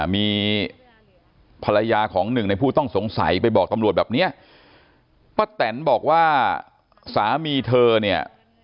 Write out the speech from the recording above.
มีภรรยาของหนึ่งในผู้ต้องสงสัยไปบอกตำรวจแบบเนี้ยป้าแตนบอกว่าสามีเธอเนี่ย